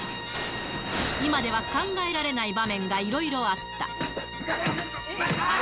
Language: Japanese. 今では考えられない場面がいろいろあった。